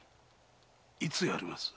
いつ殺ります？